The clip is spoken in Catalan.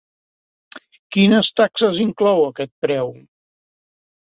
Quines taxes inclou aquest preu?